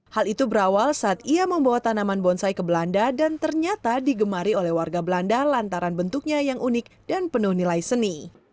hal itu berawal saat ia membawa tanaman bonsai ke belanda dan ternyata digemari oleh warga belanda lantaran bentuknya yang unik dan penuh nilai seni